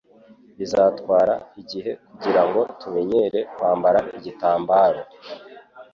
Bizatwara igihe kugirango tumenyere kwambara igitambaro.